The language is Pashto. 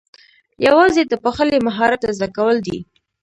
یوازې د پخلي مهارت زده کول دي